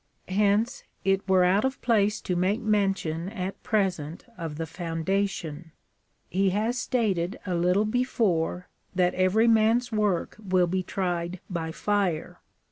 ^ Hence it were out of place to make mention at present of the founda tion. He has stated a little before, that every man's work will be tried by fire.